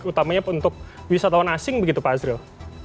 utamanya untuk wisatawan asing begitu pak azril